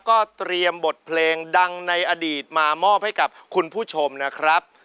ก็เตรียมบทเพลงดังในอดีตมามอบให้กับคุณผู้ชมนะครับ